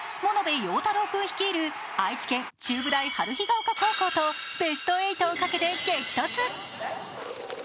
耀大朗君率いる愛知県・中部大春日丘高校とベスト８をかけて激突。